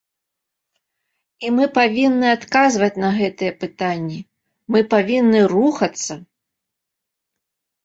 І мы павінны адказваць на гэтыя пытанні, мы павінны рухацца.